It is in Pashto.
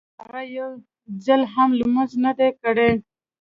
هغه يو ځل هم لمونځ نه دی کړی.